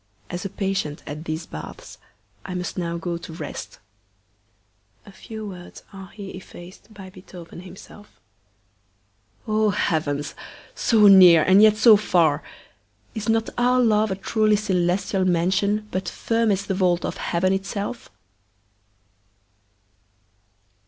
As a patient at these baths, I must now go to rest [a few words are here effaced by Beethoven himself]. Oh, heavens! so near, and yet so far! Is not our love a truly celestial mansion, but firm as the vault of heaven itself?